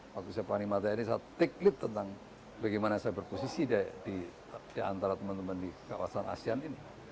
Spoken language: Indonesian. waktu saya panglima tni saya take lead tentang bagaimana saya berposisi di antara teman teman di kawasan asean ini